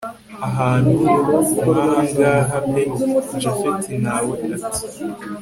ahantu nkahangaha pe! japhet nawe ati